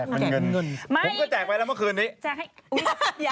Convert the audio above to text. ผมก็แจกไปแล้วเมื่อคืนนี้